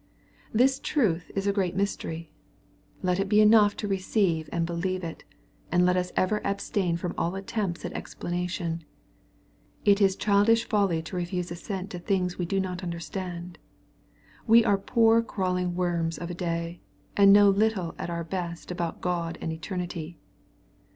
m This truth is a great mystery. Let it be enough to receive and believe it, and let us ever abstain from all attempts at explanation. It is childish folly to refuse assent to things that we do not understand. We are poor crawling worms of a day, and know little at our best about God and eternity.